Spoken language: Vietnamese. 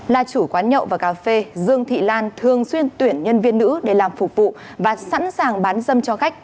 là chủ quán nhậu và cà phê dương thị lan thường xuyên tuyển nhân viên nữ để làm phục vụ và sẵn sàng bán dâm cho khách